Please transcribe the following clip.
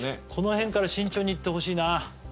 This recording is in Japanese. この辺から慎重にいってほしいな